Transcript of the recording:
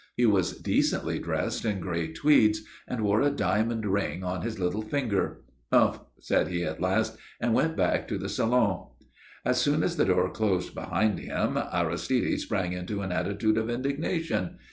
He was decently dressed in grey tweeds, and wore a diamond ring on his little finger. "Umph!" said he, at last; and went back to the salon. As soon as the door closed behind him Aristide sprang into an attitude of indignation.